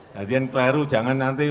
lagi yang keliru jangan nanti